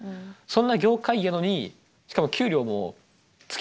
そんな業界やのにしかも給料も月８万とかや。